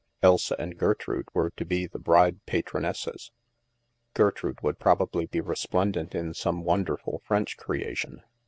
'' Elsa and Gertrude were to be the " bride patronesses." Gertrude would probably be resplendent in some wonderful French creation.